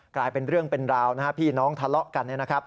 กลายเป็นเรื่องเป็นราวนะฮะพี่น้องทะเลาะกันนะครับ